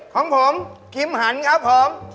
ของผมกิมหันครับผม